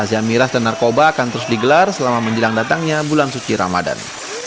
razia miras dan narkoba akan terus digelar selama menjelang datangnya bulan suci ramadan